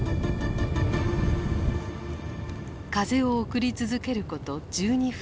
風を送り続けること１２分。